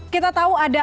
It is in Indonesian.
kita tahu ada